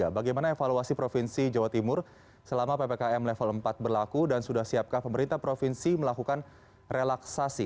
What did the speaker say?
bagaimana evaluasi provinsi jawa timur selama ppkm level empat berlaku dan sudah siapkah pemerintah provinsi melakukan relaksasi